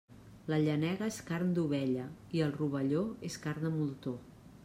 La llenega és carn d'ovella i el rovelló és carn de moltó.